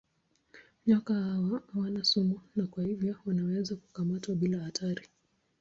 Nyoka hawa hawana sumu na kwa hivyo wanaweza kukamatwa bila hatari.